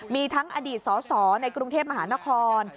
มีทั้งอดีตสสในกรุงเทพมหานคร